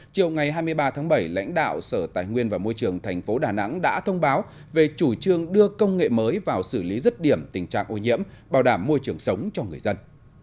chiều ngày hai mươi ba tháng bảy lãnh đạo sở tài nguyên và môi trường tp đà nẵng đã thông báo về chủ trương đưa công nghệ mới vào xử lý rứt điểm tình trạng ô nhiễm bảo đảm môi trường sống cho người dân